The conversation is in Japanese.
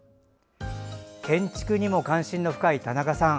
建築にも関心の深い田中さん。